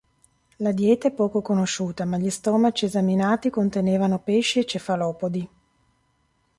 La dieta è poco conosciuta, ma gli stomaci esaminati contenevano pesci e cefalopodi.